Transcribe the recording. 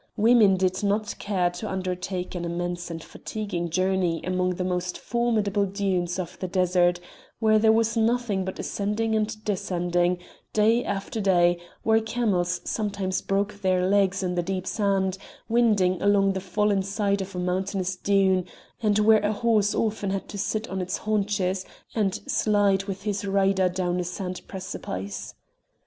Women did not care to undertake an immense and fatiguing journey among the most formidable dunes of the desert, where there was nothing but ascending and descending, day after day; where camels sometimes broke their legs in the deep sand, winding along the fallen side of a mountainous dune, and where a horse often had to sit on his haunches, and slide with his rider down a sand precipice.